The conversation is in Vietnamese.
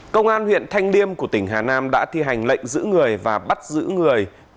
công an huyện thanh liêm của tỉnh hà nam đã thi hành lệnh giữ người và bắt giữ người